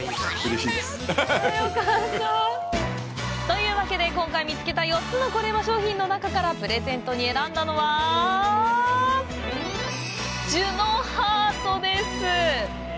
というわけで、今回、見つけた４つのコレうま商品の中からプレゼントに選んだのはジュノハートです！